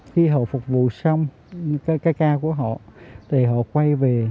khi họ phục vụ xong cái ca của họ thì họ quay về